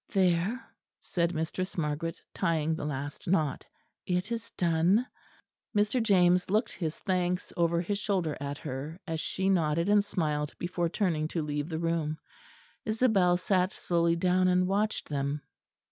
"There," said Mistress Margaret, tying the last knot, "it is done." Mr. James looked his thanks over his shoulder at her, as she nodded and smiled before turning to leave the room. Isabel sat slowly down and watched them.